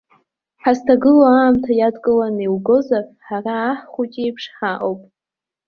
Ҳазҭагылоу аамҭа иадкыланы иугозар, ҳара аҳ-хәыҷы иеиԥш ҳаҟоуп.